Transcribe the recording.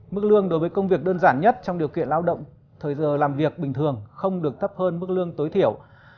mức lương đối với công việc đơn giản nhất trong điều kiện lao động thời giờ làm việc bình thường không được thấp hơn mức lương tối thiểu